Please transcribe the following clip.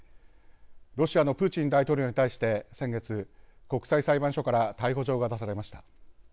ロシアのプーチン大統領に対して先月、国際裁判所から逮捕状が出されました。